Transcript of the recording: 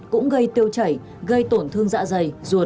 cũng gây tiêu chảy gây tổn thương dạ dày ruột